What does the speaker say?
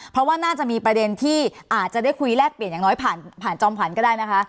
เพราะว่าน่าจะมีประเด็นที่อาจจะได้คุยแลกเปลี่ยนอย่างน้อยผ่านผ่านจอมขวัญก็ได้นะคะ